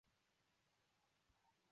时万历辛己岁正月十九日也。